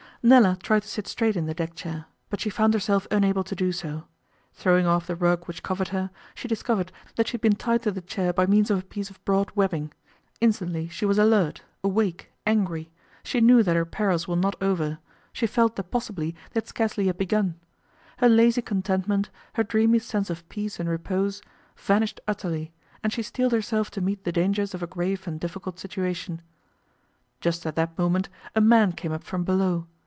Nella tried to sit straight in the deck chair, but she found herself unable to do so. Throwing off the rug which covered her, she discovered that she had been tied to the chair by means of a piece of broad webbing. Instantly she was alert, awake, angry; she knew that her perils were not over; she felt that possibly they had scarcely yet begun. Her lazy contentment, her dreamy sense of peace and repose, vanished utterly, and she steeled herself to meet the dangers of a grave and difficult situation. Just at that moment a man came up from below.